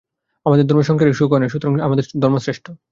আমাদের ধর্মে সাংসারিক সুখ হয় না, সুতরাং আমাদের ধর্ম শ্রেষ্ঠ।